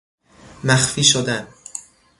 مخفی شدن